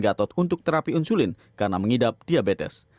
gatot untuk terapi insulin karena mengidap diabetes